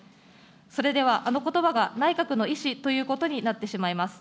それではあのことばが内閣の意思ということになってしまいます。